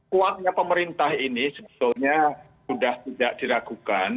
kuatnya pemerintah ini sebetulnya sudah tidak diragukan